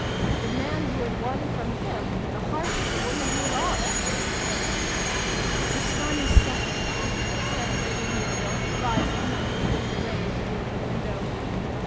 " The man who had won from him the heart of the woman he loved !"" The sun is setting," said Lady Muriel, rising and leading the way to the open window.